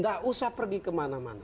tidak usah pergi kemana mana